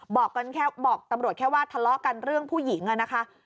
แค่บอกตำรวจแค่ว่าทะเลาะกันเรื่องผู้หญิงนะคะ